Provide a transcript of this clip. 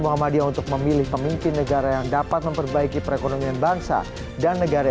muhammadiyah untuk memilih pemimpin negara yang dapat memperbaiki perekonomian bangsa dan negara